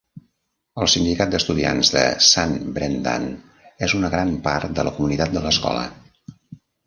El sindicat d'estudiants de Sant Brendan és una gran part de la comunitat de l'escola.